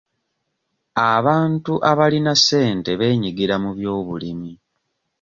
Abantu abalina ssente beenyigira mu byobulimi .